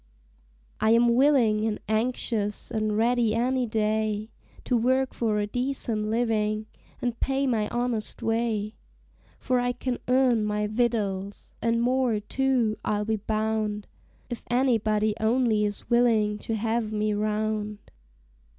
I am willin' and anxious an' ready any day To work for a decent livin', an' pay my honest way; For I can earn my victuals, an' more too, I'll be bound, If anybody only is willin' to have me round.